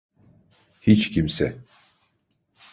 Hiç kimse.